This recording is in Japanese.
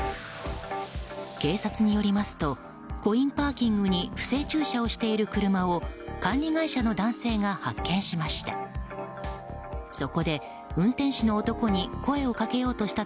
警察によりますとコインパーキングに不正駐車をしている車を管理会社の男性が発見しました。